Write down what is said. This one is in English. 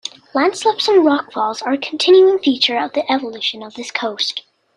Landslips and rockfalls are a continuing feature of the evolution of this coast.